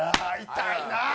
痛いなあ！